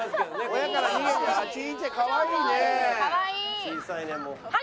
小さいねもう。